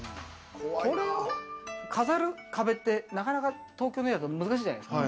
これを飾る壁って、なかなか東京の家だと難しいじゃないですか。